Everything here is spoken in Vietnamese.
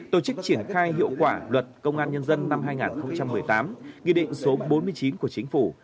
tổ chức triển khai hiệu quả luật công an nhân dân năm hai nghìn một mươi tám nghị định số bốn mươi chín của chính phủ